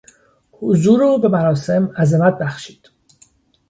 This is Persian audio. حضور او به مراسم عظمت بخشید.